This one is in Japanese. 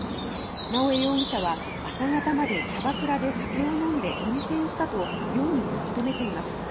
直江容疑者は「朝方までキャバクラで酒を飲んで運転した」と容疑を認めています。